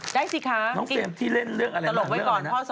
น่ากินน่ะ